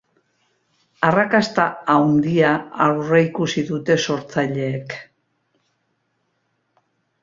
Arrakasta handia aurreikusi dute sortzaileek.